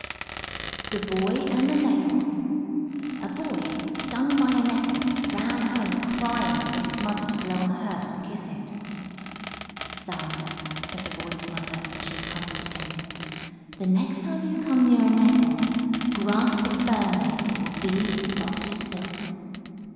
_ THE BOY AND THE NETTLE A Boy, stung by a Nettle, ran home crying, to get his mother to blow on the hurt and kiss it. "Son," said the Boy's mother, when she had comforted him, "the next time you come near a Nettle, grasp it firmly, and it will be as soft as silk."